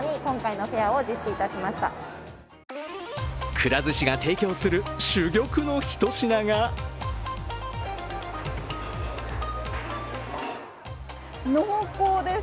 くら寿司が提供する珠玉のひと品が濃厚です。